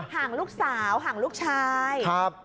ห่างลูกสาวห่างลูกชาย